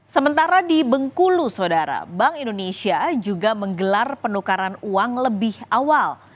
sementara di bengkulu sodara bank indonesia juga menggelar penukaran uang lebih awal